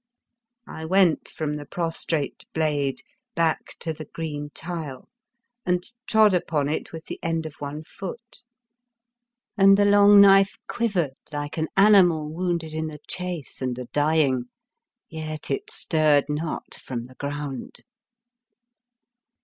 I went from the prostrate blade back to the green tile and trod upon it with the end of one foot, and the long knife quivered like an animal wounded in the chase and a dying, yet it stirred not from the ground.